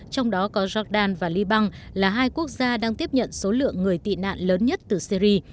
trong đó có jordan và liban là hai quốc gia đang tiếp nhận số lượng người tị nạn lớn nhất từ syri